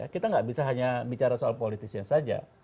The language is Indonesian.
kita gak bisa hanya bicara soal politis saja